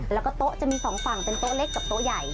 แล้วก็โต๊ะจะมีสองฝั่งเป็นโต๊ะเล็กกับโต๊ะใหญ่